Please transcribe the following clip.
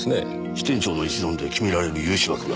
支店長の一存で決められる融資枠があるそうです。